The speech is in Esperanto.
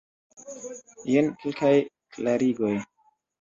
Jen kelkaj klarigoj.